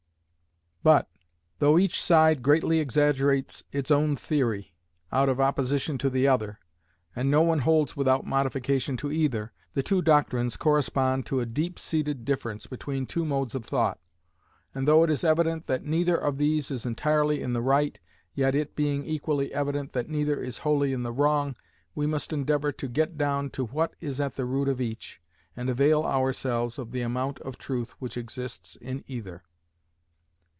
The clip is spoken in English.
But, though each side greatly exaggerates its own theory, out of opposition to the other, and no one holds without modification to either, the two doctrines correspond to a deep seated difference between two modes of thought; and though it is evident that neither of these is entirely in the right, yet it being equally evident that neither is wholly in the wrong, we must endeavour to get down to what is at the root of each, and avail ourselves of the amount of truth which exists in either.